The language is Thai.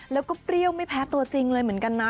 แล้วก็เปรี้ยวไม่แพ้ตัวจริงเลยเหมือนกันนะ